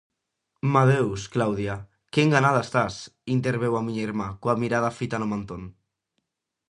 -Madeus, Claudia, que enganada estás! -interveu a miña irmá, coa mirada fita no mantón.